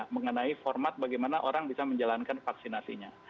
mengenai format bagaimana orang bisa menjalankan vaksinasinya